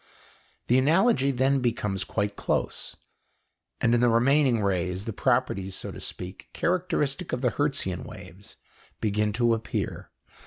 The analogy then becomes quite close, and in the remaining rays the properties, so to speak, characteristic of the Hertzian waves, begin to appear.